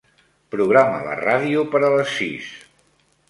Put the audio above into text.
Programa la ràdio per a les sis.